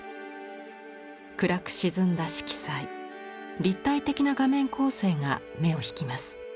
暗く沈んだ色彩立体的な画面構成が目を引きます。